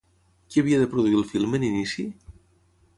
Qui havia de produir el film en inici?